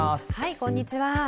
こんにちは。